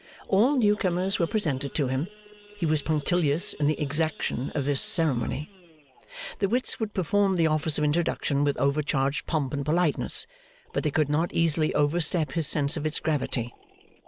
All new comers were presented to him. He was punctilious in the exaction of this ceremony. The wits would perform the office of introduction with overcharged pomp and politeness, but they could not easily overstep his sense of its gravity.